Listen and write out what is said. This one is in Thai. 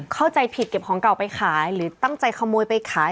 เข้าใจผิดเก็บของเก่าไปขายหรือตั้งใจขโมยไปขาย